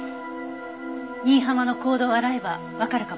新浜の行動を洗えばわかるかもしれない。